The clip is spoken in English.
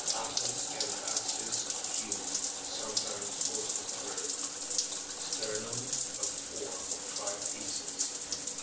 Atlas and axis fused, sometimes also third. Sternum of four or five pieces.